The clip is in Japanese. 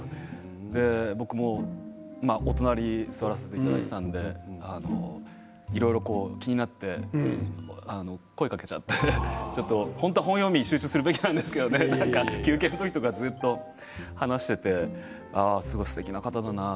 僕もお隣に座らせていただいていたんで、いろいろ気になって声をかけちゃって本当は本読みに集中するべきなんですけど休憩の時とかずっと話していて。